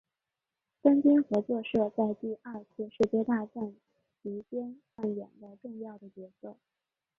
三军合作社在第二次世界大战其间扮演了重要的角色。